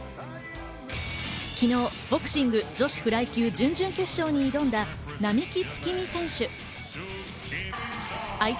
昨日、ボクシングフライ級準々決勝に挑んだ、並木月海選手。